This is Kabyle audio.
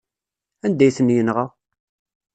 Anda ay ten-yenɣa?